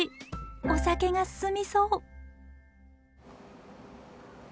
お酒が進みそう！